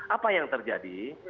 apa yang terjadi